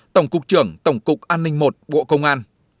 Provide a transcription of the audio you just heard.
tổng cục trưởng tổng cục an ninh một bộ công an